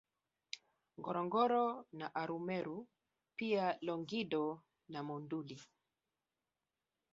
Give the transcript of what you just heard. Ngorongoro na Arumeru pia Longido na Monduli